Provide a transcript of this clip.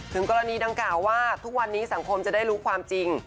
กรณีดังกล่าวว่าทุกวันนี้สังคมจะได้รู้ความจริง